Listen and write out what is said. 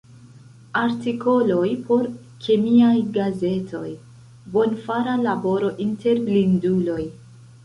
Artikoloj por kemiaj gazetoj; bonfara laboro inter blinduloj.